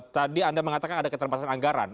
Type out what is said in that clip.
tadi anda mengatakan ada keterbatasan anggaran